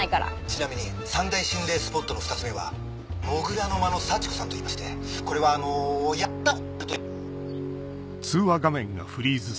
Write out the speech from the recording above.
ちなみに三大心霊スポットの２つ目は「土竜の間の幸子さん」といいましてこれはあのやた。